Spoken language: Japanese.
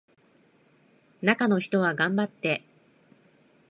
中の人は頑張って